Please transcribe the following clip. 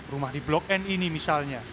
rumah di blok n ini misalnya